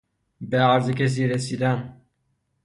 بعرض کسی رسیدن